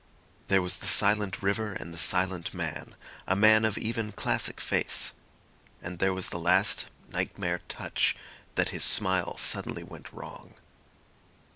There was the silent river and the silent man, a man of even classic face. And there was the last nightmare touch that his smile suddenly went wrong.